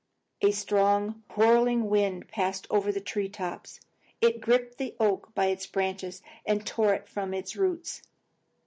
A strong, whirling wind passed over the tree tops. It gripped the oak by its branches and tore it from its roots.